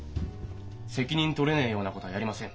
責任取れねえようなことはやりません。